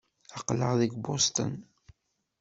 Aql-aɣ deg Boston.